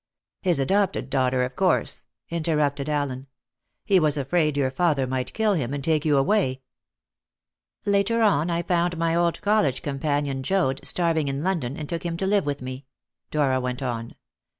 '" "His adopted daughter, of course," interrupted Allen. "He was afraid your father might kill him, and take you away." "'Later on I found my old college companion, Joad, starving in London, and took him to live with me,'" Dora went on.